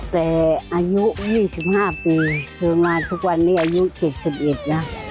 แต่อายุ๒๕ปีเครื่องร้านทุกวันนี้อายุ๗๑แล้ว